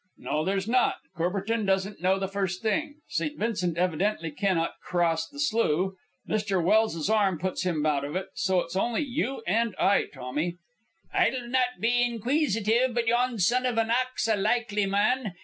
"No, there's not. Courbertin doesn't know the first thing. St. Vincent evidently cannot cross the slough. Mr. Welse's arm puts him out of it. So it's only you and I, Tommy." "I'll not be inqueesitive, but yon son of Anak's a likely mon.